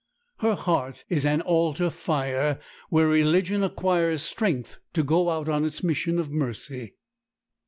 Her heart is an altar fire, where religion acquires strength to go out on its mission of mercy.